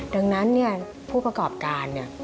ดังนั้นผู้ประกอบการ